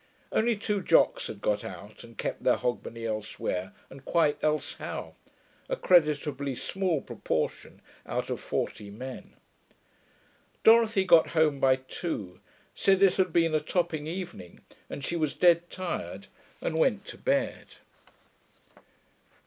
(Only two Jocks had got out and kept their Hogmanay elsewhere and quite elsehow a creditably small proportion out of forty men.) Dorothy got home by two, said it had been a topping evening and she was dead tired, and went to bed.